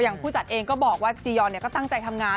ผู้จัดเองก็บอกว่าจียอนก็ตั้งใจทำงาน